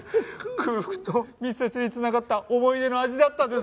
空腹と密接に繋がった思い出の味だったんですね。